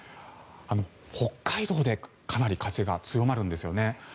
北海道でかなり風が強まるんですよね。